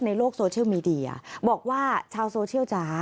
ในโลกโซเชียลมีเดียบอกว่าชาวโซเชียลจ๋า